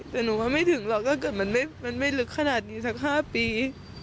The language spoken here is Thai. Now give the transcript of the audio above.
แต่หนูว่าไม่ถึงหรอกถ้าเกิดมันไม่ลึกขนาดนี้สัก๕ปี